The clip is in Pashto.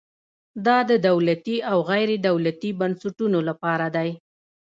دا د دولتي او غیر دولتي بنسټونو لپاره دی.